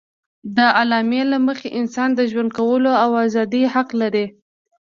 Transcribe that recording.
د اعلامیې له مخې انسان د ژوند کولو او ازادي حق لري.